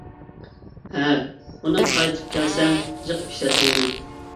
-ھە، ئۇنى قايتىپ كەلسەم جىق ئىشلەتمەيمەن.